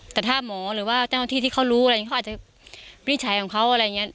แต่ถ้าหมอหรือว่าที่ที่เขารู้อะไรเขาอาจจะพินิจฉัยของเขาอะไรอย่างเงี้ย